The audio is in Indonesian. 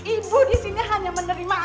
ibu di sini hanya menerima